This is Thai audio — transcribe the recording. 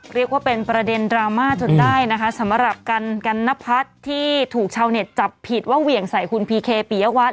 เรียกว่าเป็นประเด็นดราม่าจนได้นะคะสำหรับกันกันนพัฒน์ที่ถูกชาวเน็ตจับผิดว่าเหวี่ยงใส่คุณพีเคปียวัตร